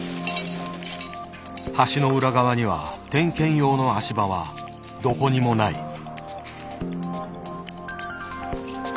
橋の裏側には点検用の足場はどこにもない。